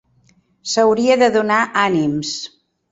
S'hauria de donar ànims.